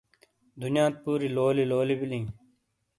دنیات پوری لولی لولی بیلی